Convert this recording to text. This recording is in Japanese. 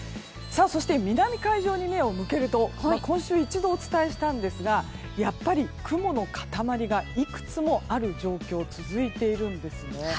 そして、南海上に目を向けると今週１度お伝えしたんですがやっぱり雲の塊がいくつもある状況続いているんですね。